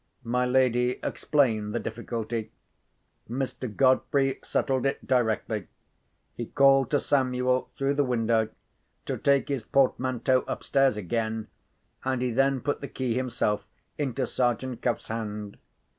My lady explained the difficulty. Mr. Godfrey settled it directly. He called to Samuel, through the window, to take his portmanteau upstairs again, and he then put the key himself into Sergeant Cuff's hand.